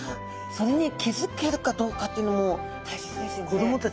それに気付けるかどうかというのも大切ですよね。